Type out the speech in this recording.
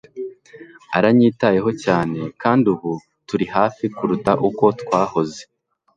Aranyitayeho cyane kandi ubu turi hafi kuruta uko twahoze